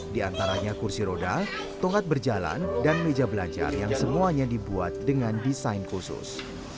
di antaranya kursi roda tongkat berjalan dan meja belajar yang semuanya dibuat dengan desain khusus